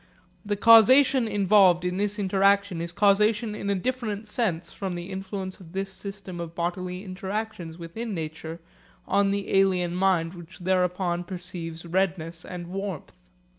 The causation involved in this interaction is causation in a different sense from the influence of this system of bodily interactions within nature on the alien mind which thereupon perceives redness and warmth.